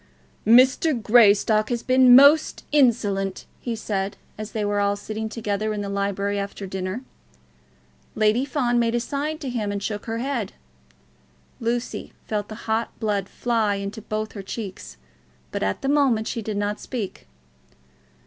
"Mr. Greystock has been most insolent," he said as they were all sitting together in the library after dinner. Lady Fawn made a sign to him and shook her head. Lucy felt the hot blood fly into both her cheeks, but at the moment she did not speak.